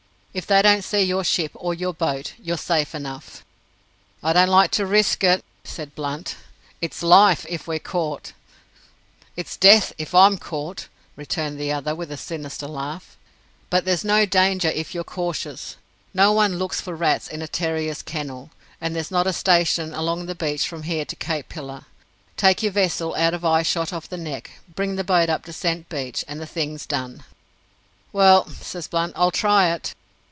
If they don't see your ship, or your boat, you're safe enough." "I don't like to risk it," said Blunt. "It's Life if we're caught." "It's Death if I'm caught!" returned the other, with a sinister laugh. "But there's no danger if you are cautious. No one looks for rats in a terrier's kennel, and there's not a station along the beach from here to Cape Pillar. Take your vessel out of eye shot of the Neck, bring the boat up Descent Beach, and the thing's done." "Well," says Blunt, "I'll try it."